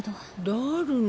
だぁるの？